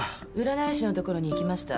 占い師のところに行きました。